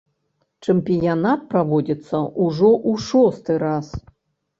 Чэмпіянат праводзіцца ўжо ў шосты раз.